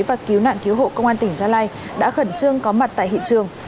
và cứu nạn cứu hộ công an tỉnh gia lai đã khẩn trương có mặt tại hiện trường